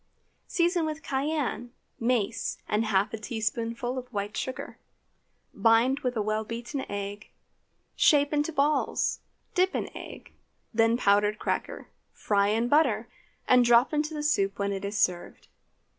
Season with cayenne, mace, and half a teaspoonful of white sugar. Bind with a well beaten egg; shape into balls; dip in egg, then powdered cracker, fry in butter, and drop into the soup when it is served.